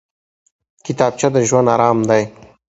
کتابچه د ژوند ارام دی